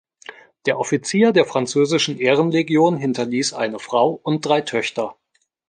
Der Offizier der französischen Ehrenlegion hinterließ eine Frau und drei Töchter.